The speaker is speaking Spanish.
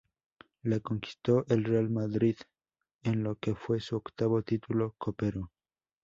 La conquistó el Real Madrid, en lo que fue su octavo título copero.